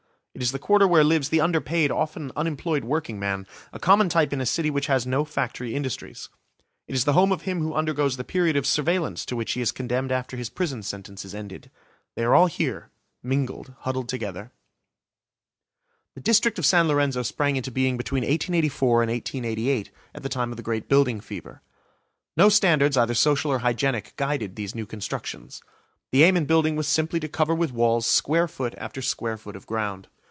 It is the Quarter where lives the underpaid, often unemployed workingman, a common type in a city which has no factory industries. It is the home of him who undergoes the period of surveillance to which he is condemned after his prison sentence is ended. They are all here, mingled, huddled together. The district of San Lorenzo sprang into being between 1884 and 1888 at the time of the great building fever. No standards either social or hygienic guided these new constructions. The aim in building was simply to cover with walls square foot after square foot of ground.